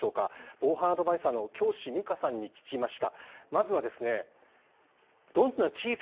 防犯アドバイザーの京師美佳さんに聞きました。